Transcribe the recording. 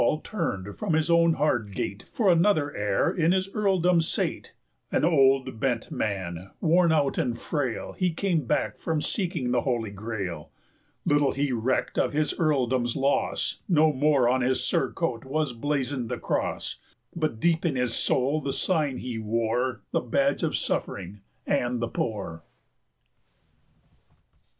Sir Launfal turned from his own hard gate, 250 For another heir in his earldom sate; An old, bent man, worn out and frail, He came back from seeking the Holy Grail; Little he recked of his earldom's loss, No more on his surcoat was blazoned the cross, 255 But deep in his soul the sign he wore, The badge of the suffering and the poor.